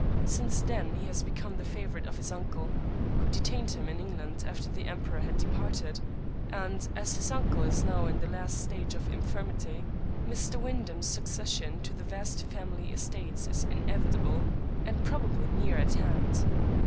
Since then he has become the favorite of his uncle, who detained him in England after the emperor had departed — ^and, as this uncle is now in the last stage of infirmity, Mr. Wyndham's succession to the vast family estates is inevitable, and probably near at hand.